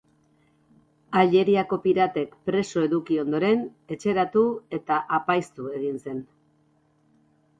Aljeriako piratek preso eduki ondoren, etxeratu eta apaiztu egin zen.